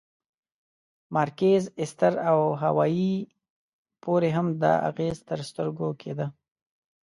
مارکیز، ایستر او هاوایي پورې هم دا اغېز تر سترګو کېده.